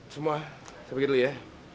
semua saya pikir dulu ya